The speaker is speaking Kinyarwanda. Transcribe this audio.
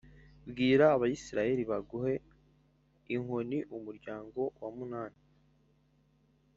Bwira Abisirayeli baguhe inkoni umuryango wa munani